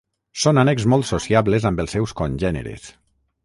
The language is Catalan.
Són ànecs molt sociables amb els seus congèneres.